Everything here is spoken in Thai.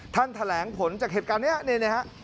แถลงผลจากเหตุการณ์นี้เนี่ยฮะ